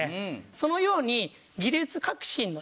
そのように。